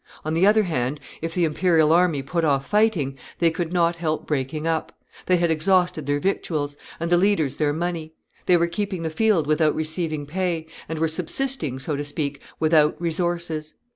On the other hand, if the imperial army put off fighting, they could not help breaking up; they had exhausted their victuals, and the leaders their money; they were keeping the field without receiving pay, and were subsisting, so to speak, without resources.